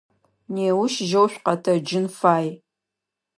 Неущ жьэу шъукъэтэджын фай.